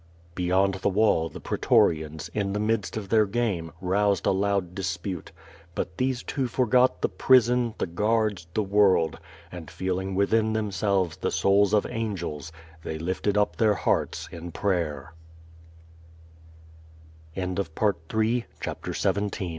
Beyond the wall, the pretorians, in the midst of their game, roused a loud disjmte; but these two forgot the prison, the guards, the world, and feeling within themselves the souls of angels, they lifted up their hearts in pray